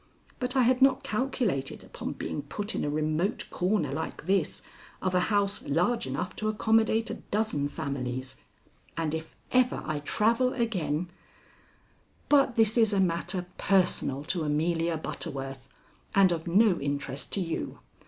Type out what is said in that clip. But I had not calculated upon being put in a remote corner like this of a house large enough to accommodate a dozen families, and if ever I travel again But this is a matter personal to Amelia Butterworth, and of no interest to you.